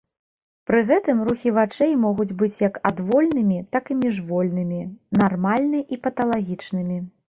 Пры гэтым рухі вачэй могуць быць як адвольнымі так і міжвольнымі, нармальны і паталагічнымі.